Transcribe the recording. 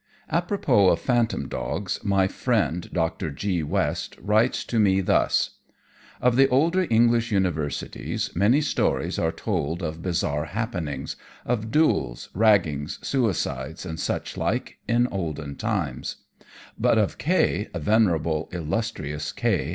Apropos of phantom dogs, my friend Dr. G. West writes to me thus: "Of the older English Universities many stories are told of bizarre happenings, of duels, raggings, suicides and such like in olden times; but of K., venerable, illustrious K.